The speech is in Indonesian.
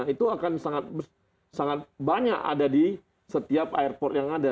itu akan sangat banyak ada di setiap airport yang ada